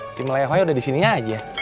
si melehoi udah disini aja